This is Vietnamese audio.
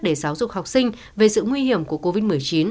để giáo dục học sinh về sự nguy hiểm của covid một mươi chín